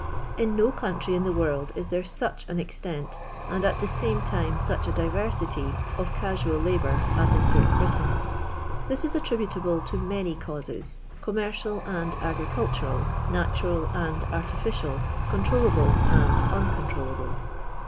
In no country in the world is there such an extent, and at the same time such a diversity, of casual labour as in Great Britain. This is nttribuublc to many causes — commercial and agri cultural, natural and artificial, conironable and uncontrollable.